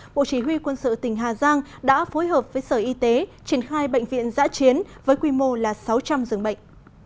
bộ chỉ huy quân sự tỉnh hà giang đã phối hợp với sở y tế triển khai bệnh viện giã chiến với quy mô là sáu trăm linh giường bệnh